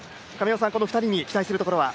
この２人に期待するところは？